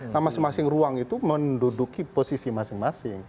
nah masing masing ruang itu menduduki posisi masing masing